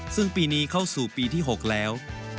ซึ่งปีนี้เข้าสู่ปีที่๖แล้ว